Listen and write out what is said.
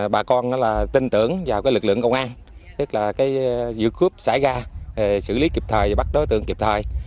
bà con tin tưởng vào lực lượng công an giữ cướp xảy ra xử lý kịp thời và bắt đối tượng kịp thời